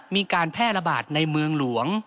มีการแพร่ระบาดในเมืองหลวง